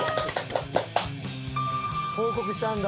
報告したんだ。